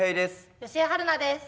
吉江晴菜です。